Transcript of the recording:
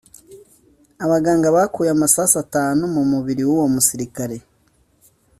Abaganga bakuye amasasu atanu mu mubiri w’uwo musirikare